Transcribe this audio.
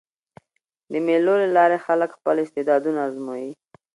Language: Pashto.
د مېلو له لاري خلک خپل استعدادونه آزمويي.